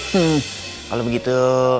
hmmm kalau begitu